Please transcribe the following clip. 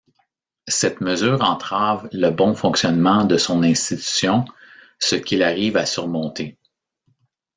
Cette mesure entrave le bon fonctionnement de son institution, ce qu’il arrive à surmonter.